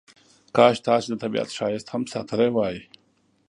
کاش تاسې د طبیعت ښایست هم ساتلی وای.